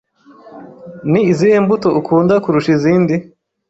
Ni izihe mbuto ukunda kurusha izindi?